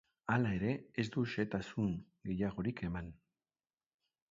Hala ere, ez du xehetasun gehiagorik eman.